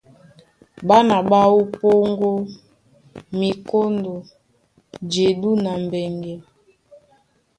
Ɓána ɓá wú ó Póŋgó, Mikóndo, Jedú na Mbɛŋgɛ.